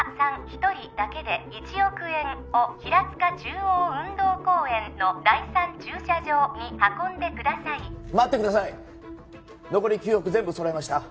一人だけで１億円を平塚中央運動公園の第３駐車場に運んでください待ってください残り９億全部揃えました